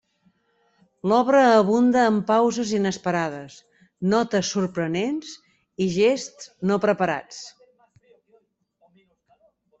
L'obra abunda en pauses inesperades, notes sorprenents i gests no preparats.